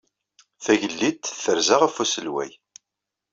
Tagellidt terza ɣef usalay.